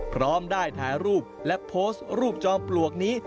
พร้อมได้ถ่ายรูปและโพสต์รูปจอมปลวกนี้